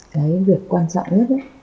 cái việc quan trọng nhất